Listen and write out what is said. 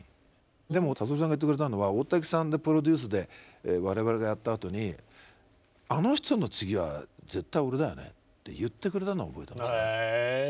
でも達郎さんが言ってくれたのは大滝さんでプロデュースで我々がやったあとにあの人の次は絶対俺だよねって言ってくれたのを覚えてましたね。